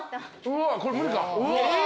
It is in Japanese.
うわっこれ無理か。